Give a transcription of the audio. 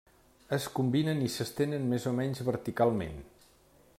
Es combinen i s'estenen més o menys verticalment.